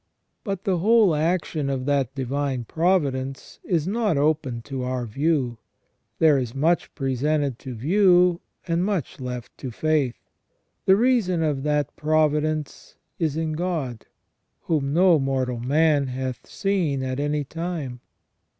But the whole action of that divine providence is not open to our view ; there is much presented to view, and much left to faith. The reason of that providence is in God, whom no mortal man hath seen at any time.